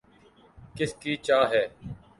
کس کی چاہ ہے